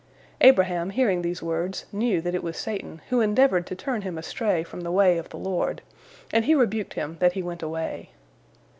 Abraham, hearing these words, knew that it was Satan, who endeavored to turn him astray from the way of the Lord, and he rebuked him that he went away.